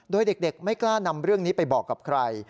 โดยเด็กไม่กล้านำเรื่องนี้ไปบอกกับใคร